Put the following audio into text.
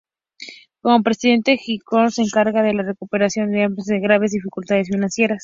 Como presidente, Hitchcock se encarga de la recuperación de Amherst de graves dificultades financieras.